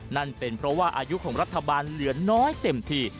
นั่นเป็นเพราะว่าอายุของรัฐบาลเหลือน้อยเต็มที